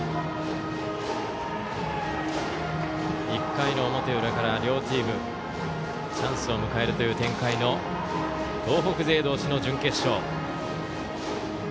１回の表裏から両チームチャンスを迎えるという展開の東北勢同士の準決勝。